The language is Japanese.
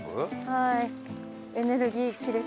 はい。